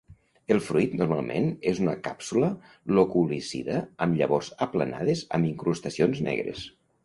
El fruit normalment és una càpsula loculicida amb llavors aplanades amb incrustacions negres.